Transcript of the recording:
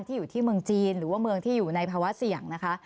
อยู่ที่เมืองจีนหรือว่าเมืองที่อยู่ในภาวะเสี่ยงนะคะ